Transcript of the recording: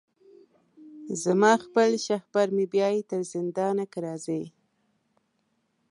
زما خپل شهپر مي بیايي تر زندانه که راځې